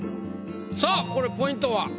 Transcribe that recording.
さあこれポイントは？